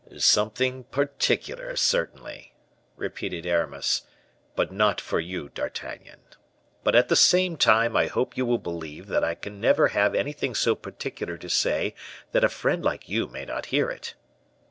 "Something particular, certainly," repeated Aramis, "but not for you, D'Artagnan. But, at the same time, I hope you will believe that I can never have anything so particular to say that a friend like you may not hear it."